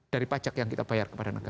dari pajak yang kita bayar kepada negara